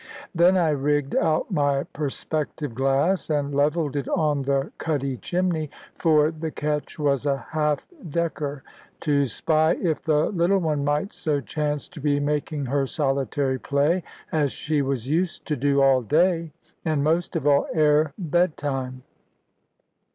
Then I rigged out my perspective glass, and levelled it on the cuddy chimney for the ketch was a half decker to spy if the little one might so chance to be making her solitary play, as she was used to do all day, and most of all ere bedtime.